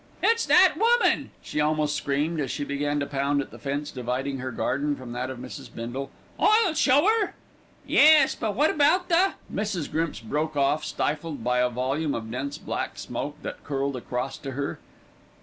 "It's that woman," she almost screamed, as she began to pound at the fence dividing her garden from that of Mrs. Bindle. "I'll show 'er." "Yes; but what about the " Mrs. Grimps broke off, stifled by a volume of dense black smoke that curled across to her.